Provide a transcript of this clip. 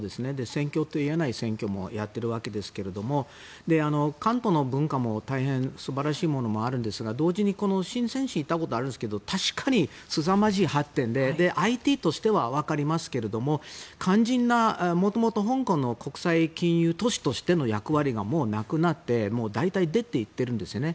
選挙といえない選挙もやっているわけですけど広東の文化も大変素晴らしいものもあるんですが同時に、シンセン市に行ったことありますけど確かにすさまじい発展でＩＴとしては分かりますけど肝心なもともと香港の国際金融都市としての役割がなくなって大体出て行ってるんですね。